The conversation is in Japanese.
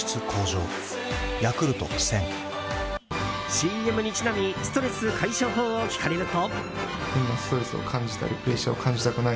ＣＭにちなみストレス解消法を聞かれると。